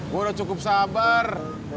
gue udah cukup sabar